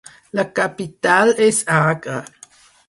La capital és Agra.